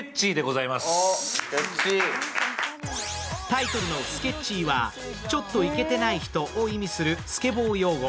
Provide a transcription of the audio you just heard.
タイトルの「スケッチー」は、ちょっといけてない人を意味するスケボー用語。